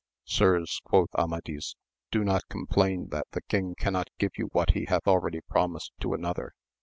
Sirs, quoth Amadis, do not complain that the king cannot give you what he hath already promised to another.